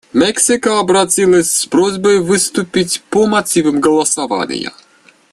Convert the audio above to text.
Мексика обратилась с просьбой выступить по мотивам голосования.